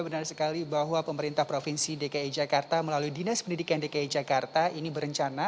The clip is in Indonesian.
benar sekali bahwa pemerintah provinsi dki jakarta melalui dinas pendidikan dki jakarta ini berencana